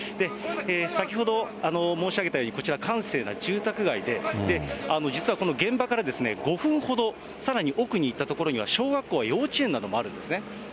先ほど申し上げたように、こちら、閑静な住宅街で、実はこの現場から５分ほどさらに奥に行った所には、小学校や幼稚園などもあるんですね。